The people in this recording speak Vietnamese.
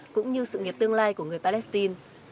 cũng như sự nghiệp tương lai của người palestine